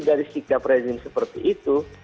dari sikap rezim seperti itu